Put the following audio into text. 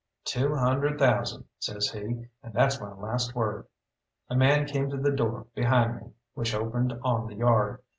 "Two hundred thousand," says he, "and that's my last word." A man came to the door behind me, which opened on the yard.